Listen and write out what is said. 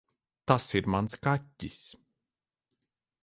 Tas ir mans kaķis.